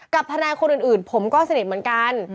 กับทนายคนอื่นผมก็สนิทเหมือนกัน